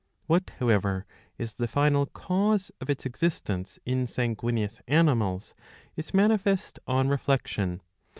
^ What however is the final cause of its existence in sanguineous animals is manifest on reflection.